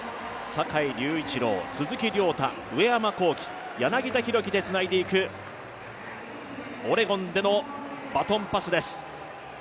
坂井隆一郎、鈴木涼太、上山紘輝、柳田大輝でつないでいくオレゴンでのバトンパスです。